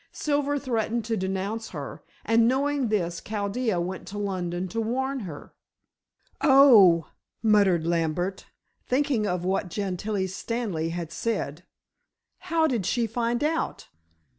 Silver threatened to denounce her, and knowing this Chaldea went to London to warn her." "Oh," muttered Lambert, thinking of what Gentilla Stanley had said, "how did she find out?"